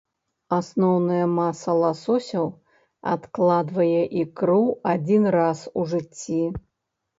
Асноўная маса ласосяў адкладвае ікру адзін раз у жыцці.